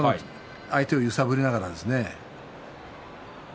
相手を揺さぶりながらですね。